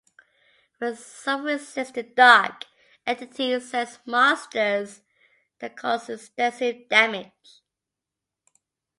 When someone resists, the dark entity sends monsters that cause extensive damage.